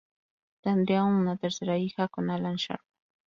Tendría una tercera hija con Alan Sharp.